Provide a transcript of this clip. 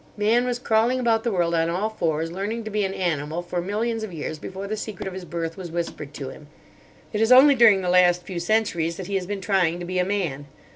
Man was crawling about the world on all fours, learning to be an animal for millions of years before the secret of his birth was whispered to him. It is only during the last few centuries that he has been trying to be a man.